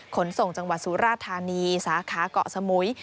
ขนส่งจังหวัดสุราธานีสาขาเกาะสมุย